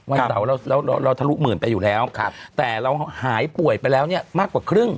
วันเสาร์เราเราทะลุหมื่นไปอยู่แล้วแต่เราหายป่วยไปแล้วเนี่ยมากกว่าครึ่ง